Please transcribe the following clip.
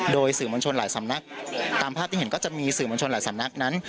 โดยสื่อมวลชนหลายสำนักตามภาพที่เห็นก็จะมีสื่อมวลชนหลายสำนักนั้น